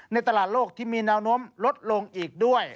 ในตลาดโลกที่มีแนวโน้มลดลงอีกด้วย